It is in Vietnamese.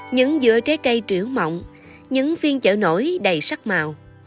những vựa trái cây chữ mọng những phiên trợ nổi đầy sắc màu